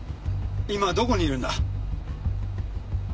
今どこにいるんだ？